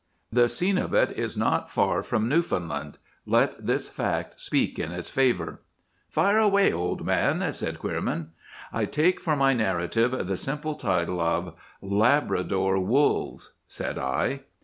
The scene of it is not far from Newfoundland. Let this fact speak in its favor!" "Fire away, Old Man!" said Queerman. "I take for my narrative the simple title of— 'LABRADOR WOLVES.' said I.